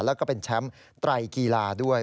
แล้วก็เป็นแชมป์ไตรกีฬาด้วย